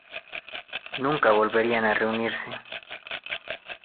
Nunca volverían a reunirse.